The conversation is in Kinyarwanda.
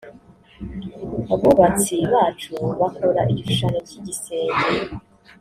Abubatsi bacu bakora igishushanyo cy’igisenge